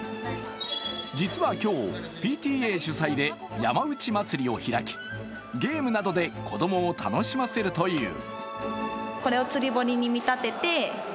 実は今日、ＰＴＡ主催で山内まつりを開き、ゲームなどで子供を楽しませるという。